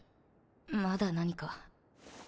まだ何か？